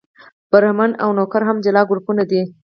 برهمن او نوکر هم جلا ګروپونه دي.